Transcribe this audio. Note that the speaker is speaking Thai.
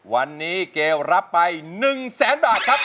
วันนี้เกรลรับไป๑๐๐๐๐๐บาทครับ